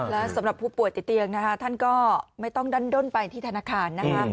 และสำหรับผู้ป่วยติดเตียงนะคะท่านก็ไม่ต้องดั้นด้นไปที่ธนาคารนะคะ